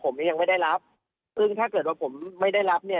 ผมยังไม่ได้รับซึ่งถ้าเกิดว่าผมไม่ได้รับเนี่ย